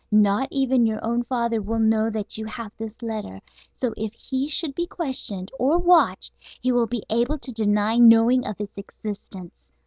Not even your own father will know that you have this letter; so if he should be questioned or watched he will be able to deny knowing of its existence.